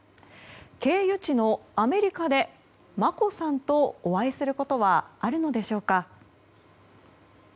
経由地のアメリカで眞子さんとお会いすることはあるのでしょうか。